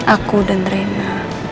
aku dan reina